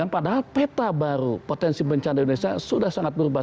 padahal peta baru potensi bencana di indonesia sudah sangat berubah